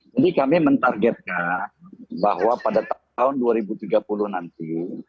jadi kami mentargetkan bahwa pada tahun dua ribu tiga puluh nanti